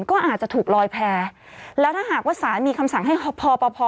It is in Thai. ก็อาจจะถูกลอยแพร่แล้วถ้าหากว่าสารมีคำสั่งให้พอพอ